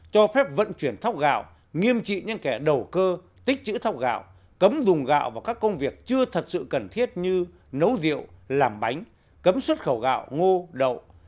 cho phép vận chuyển thóc gạo nghiêm trị những kẻ đầu cơ tích chữ thóc gạo cấm dùng gạo vào các công việc chưa thật sự cần thiết như nấu rượu làm bánh cấm xuất khẩu gạo ngô đậu